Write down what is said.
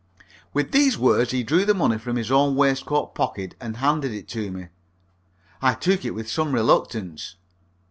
With these words he drew the money from his own waistcoat pocket, and handed it to me. I took it with some reluctance.